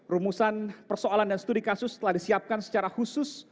rumusan persoalan dan studi kasus telah disiapkan secara khusus